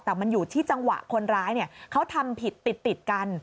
แต่มันอยู่ที่จังหวะคนร้ายเขาทำผิดติดกัน